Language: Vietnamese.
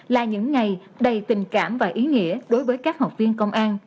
là những ngày đầy tình cảm và ý nghĩa đối với các học viên công an